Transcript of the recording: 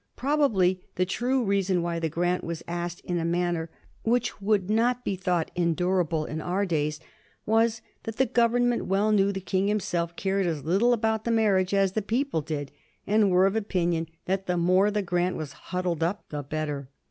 Probably the true reason why the grant was asked in a manner which would not be 1736. A PROJECTED DOUBLE ALLIANCE. 45 thought endurable in our days, was that the Government well knew the King himself cared as little about the mar riage as the people did, and were of opinion that the more the grant was huddled up the better.